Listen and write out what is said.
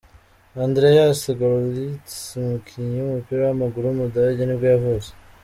Andreas Görlitz, umukinnyi w’umupira w’amaguru w’umudage nibwo yavutse.